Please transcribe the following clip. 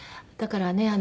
だからね